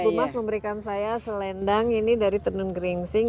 betul mas memberikan saya selendang ini dari tenun geringsing